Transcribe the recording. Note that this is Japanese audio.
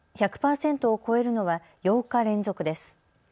１００％を超えるのは８日連続です。